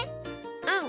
うん！